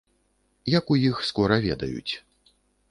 Як у іх скора ведаюць.